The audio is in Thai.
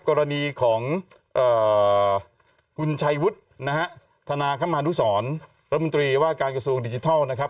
กรณีของคุณชัยวุฒินะฮะธนาคมานุสรรัฐมนตรีว่าการกระทรวงดิจิทัลนะครับ